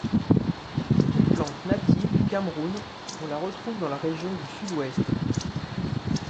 C’est une plante native du Cameroun, on la retrouve dans la région du Sud-Ouest.